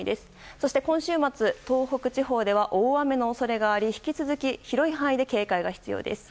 そして、今週末東北地方では大雨の恐れがあり引き続き広い範囲で警戒が必要です。